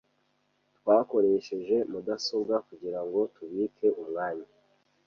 Twakoresheje mudasobwa kugirango tubike umwanya.